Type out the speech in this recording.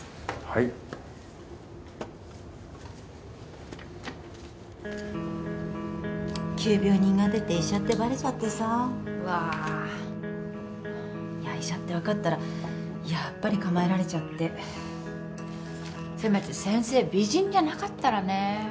はい急病人が出て医者ってバレちゃってさうわ医者って分かったらやっぱり構えられちゃってせめて先生美人じゃなかったらね